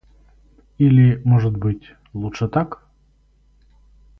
Или, может быть, лучше так?